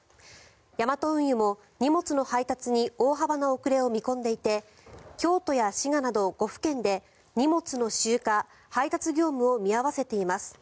ヤマト運輸も荷物の配達に大幅な遅れを見込んでいて京都や滋賀など５府県で荷物の集荷・配達業務を見合わせています。